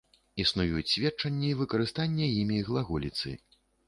Існуюць сведчанні выкарыстання імі глаголіцы.